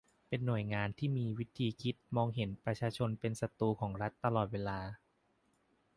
เป็นหน่วยงานที่มีวิธีคิดมองเห็นประชาชนเป็นศัตรูของรัฐตลอดเวลา